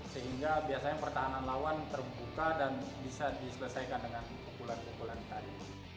sehingga biasanya pertahanan lawan terbuka dan bisa diselesaikan dengan pukulan pukulan tadi